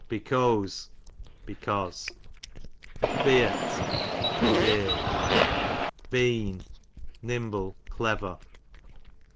Becose, because. Eeeart, a beard. Been, nimble, clever.